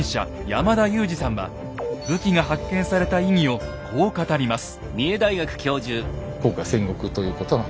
山田雄司さんは武器が発見した意義をこう語ります。